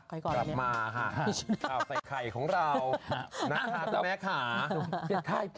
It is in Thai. ค่ะกลับมาค่ะใส่ไข่ของเรานะครับแม่ขาเป็นไข่